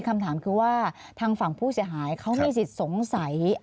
คำถามคือว่าทางฝั่งผู้เสียหายเขามีสิทธิ์สงสัย